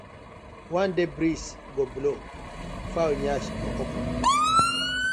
One day breeze go blow, fowl yansh go open: